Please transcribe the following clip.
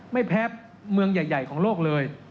ไม่แพ้เมืองใหญ่ของโลกเลย